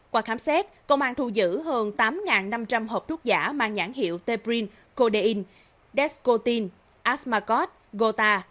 qua khám xét công an thu giữ hơn tám năm trăm linh hộp thuốc giả mang nhãn hiệu teprin codeine descotin asmacot gota